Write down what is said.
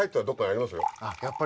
ありますよ。